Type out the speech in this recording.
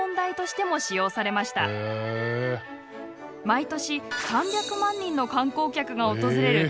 毎年３００万人の観光客が訪れる